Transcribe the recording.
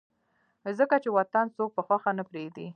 ځکه چې وطن څوک پۀ خوښه نه پريږدي